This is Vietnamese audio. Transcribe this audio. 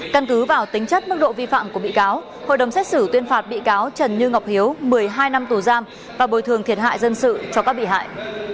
căn cứ vào tính chất mức độ vi phạm của bị cáo hội đồng xét xử tuyên phạt bị cáo trần như ngọc hiếu một mươi hai năm tù giam và bồi thường thiệt hại dân sự cho các bị hại